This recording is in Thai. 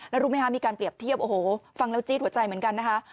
แล้วรู้ไหมคะมีการเปรียบเทียบโอ้โหฟังแล้วจี๊ดหัวใจเหมือนกันนะคะ